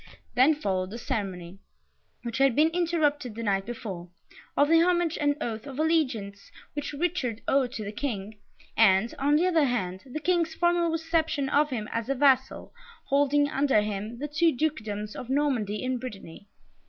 Then followed the ceremony, which had been interrupted the night before, of the homage and oath of allegiance which Richard owed to the King, and, on the other hand, the King's formal reception of him as a vassal, holding, under him, the two dukedoms of Normandy and Brittany.